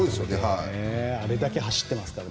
あれだけ走ってますから。